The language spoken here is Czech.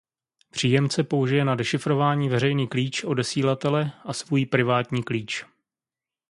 Příjemce použije na dešifrování veřejný klíč odesílatele a svůj privátní klíč.